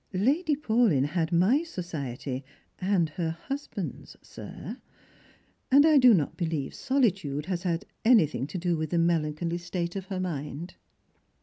" Lady Paulyn had my society and her husband's, sir ; and I do not believe solitude has had anything to do with the melan choly state of her mind."